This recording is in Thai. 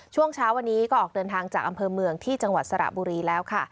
ช่วงเช้าวันนี้ก็ออกเดินทางจากอำเภอเมืองที่จังหวัดสระบุรีแล้วค่ะ